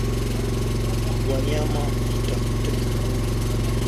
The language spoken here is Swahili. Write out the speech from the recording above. Wanyama hutafuta kivuli